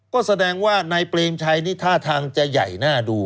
ก็แสดงว่านายเปรมชัยนี่ท่าทางจะใหญ่น่าดู